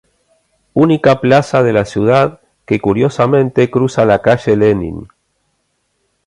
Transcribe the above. Única plaza de la ciudad que curiosamente cruza la calle Lenin.